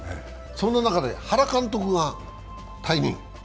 そんな中で原監督が退任。